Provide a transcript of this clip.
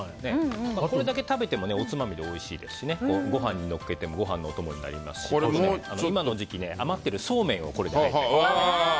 これだけ食べてもおつまみとしてもおいしいですしご飯にのっけてご飯のお供になりますし今の時期余ってるそうめんをこれとあえて。